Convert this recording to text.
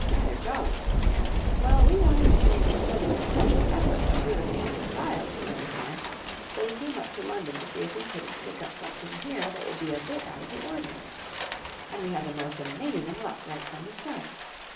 Rather jolly ! Well, we wanted rather to make a sort of special effort and do the thing in style, if you understand, so we came up to London to see if we couldn't pick up something here that would be a bit out of the ordinary. And we had the mo^t amazing luck right from the start.